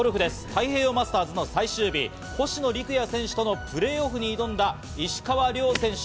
太平洋マスターズの最終日、星野陸也選手とのプレーオフに挑んだ石川遼選手。